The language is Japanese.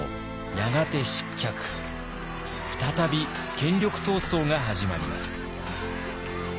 再び権力闘争が始まります。